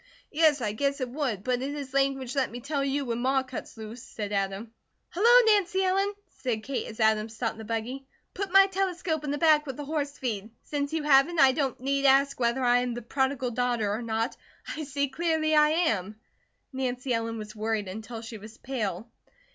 "Yes, I guess it would, but it is language let me tell you, when Ma cuts loose," said Adam. "Hello, Nancy Ellen," said Kate as Adam stopped the buggy. "Put my telescope in the back with the horse feed. Since you have it, I don't need ask whether I am the Prodigal Daughter or not. I see clearly I am." Nancy Ellen was worried, until she was pale.